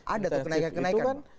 ada atau kenaikan